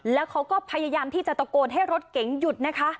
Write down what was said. แล้วเขาก็พยายามที่จะตะโกนให้รถเก๋งหยุดนะคะ